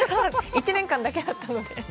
１年間だけだったので。